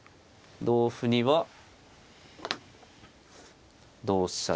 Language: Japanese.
同歩には同飛車で。